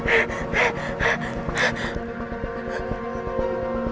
serahin dia dulu